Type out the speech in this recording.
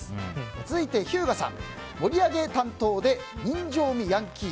続いて、ひゅうがさん盛り上げ担当で人情味ヤンキー。